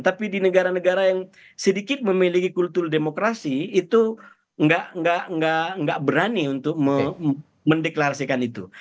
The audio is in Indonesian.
tapi di negara negara yang sedikit memiliki kultur demokrasi itu nggak berani untuk mendeklarasikan itu